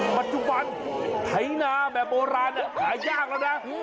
ปัจจุบันไถนาแบบโบราณหายากแล้วนะ